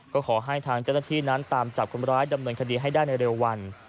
ก็ขอให้ทางเจ้าหน้าที่นั้นตามจับคนร้ายดำเนินคดีให้ได้ในเร็ววัน